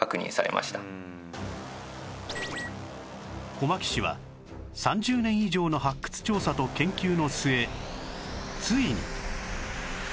小牧市は３０年以上の発掘調査と研究の末ついに